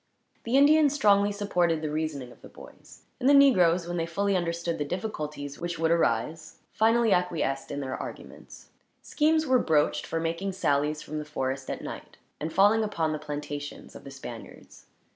The Indians strongly supported the reasoning of the boys, and the negroes, when they fully understood the difficulties which would arise, finally acquiesced in their arguments. Schemes were broached for making sallies from the forest, at night, and falling upon the plantations of the Spaniards.